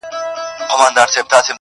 پلار په یو وخت په مکتب کي شامل کړله,